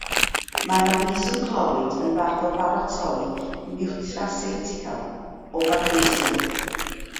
Mae magnesiwm clorid yn fath o baratoi niwtraceutical o fagnesiwm.